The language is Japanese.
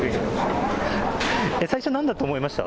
最初、なんだと思いました？